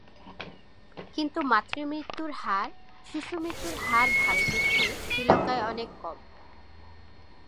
কিন্তু মাতৃমৃত্যুর হার, শিশু মৃত্যুর হার ভারতের চেয়ে শ্রীলঙ্কায় অনেক কম।